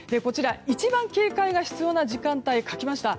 一番警戒が必要な時間帯を書きました。